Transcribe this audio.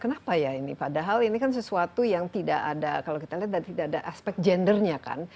kenapa ya ini padahal ini kan sesuatu yang tidak ada kalau kita lihat tidak ada aspek gendernya kan